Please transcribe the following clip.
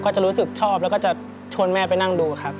ก็จะรู้สึกชอบแล้วก็จะชวนแม่ไปนั่งดูครับ